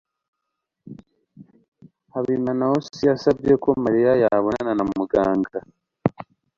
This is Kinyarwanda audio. Habimanaosi yasabye ko Mariya yabonana na muganga.